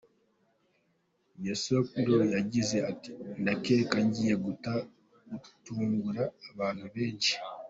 Youssou Ndour yagize ati :« Ndakeka ngiye gutungura abantu benshi.